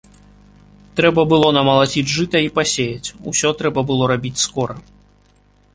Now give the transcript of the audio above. Трэба было намалаціць жыта і пасеяць, усё трэба было рабіць скора.